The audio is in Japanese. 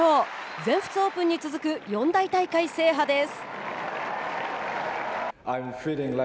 全仏オープンに続く四大大会制覇です。